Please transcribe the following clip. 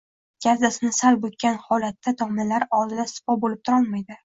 gavdasini sal bukkan holatda domlalar oldida sipo bo‘lib turolmaydi.